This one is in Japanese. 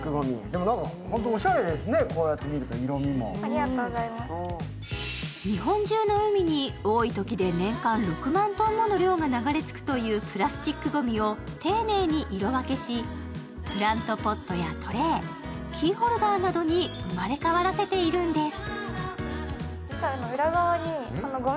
でも本当におしゃれですね、色みも日本中の海に、多いときで年間６万トンもの量が流れ着くというプラスチックごみを丁寧に色分けし、プランツポットやトレーキーホルダーなどに生まれ変わらせているんです。